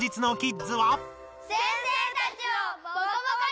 お！